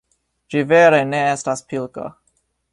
Ĝi vere ne estas pilko.